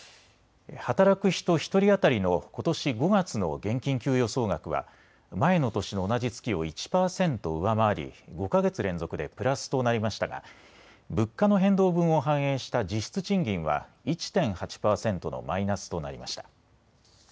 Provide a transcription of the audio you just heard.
働く人１人当たりのことし５月の現金給与総額は前の年の同じ月を１％上回り５か月連続でプラスとなりましたが物価の変動分を反映した実質賃金は１．８％のマイナスとなりました。